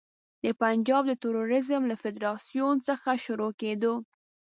د پنجاب د توریزم له فدراسیون څخه شروع کېدو.